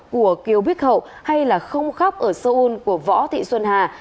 của kiều bích hậu hay là không khóc ở seoul của võ thị xuân hà